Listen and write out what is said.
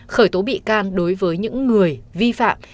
khởi tố bị can đối với những người vi phạm